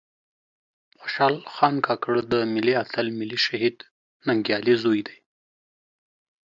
خوشال خان کاکړ د ملي آتل ملي شهيد ننګيالي ﺯوې دې